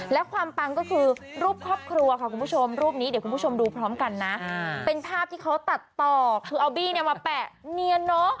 และความปังก็คือรูปครอบครัวค่ะคุณผู้ชมรูปนี้เดี๋ยวคุณผู้ชมดูพร้อมกันนะเป็นภาพที่เขาตัดต่อคือเอาบี้เนี่ยมาแปะเนียนเนอะ